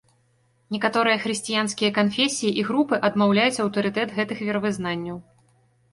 Некаторыя хрысціянскія канфесіі і групы адмаўляюць аўтарытэт гэтых веравызнанняў.